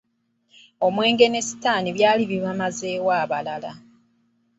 Omwenge ne Sitaani byali bibamazeewo abalala.